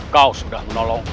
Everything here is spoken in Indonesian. kau sudah menolongku